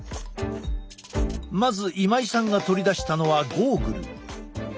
まず今井さんが取り出したのはゴーグル。